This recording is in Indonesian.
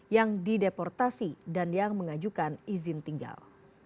yang dideportasi dan yang mengajukan izin tinggal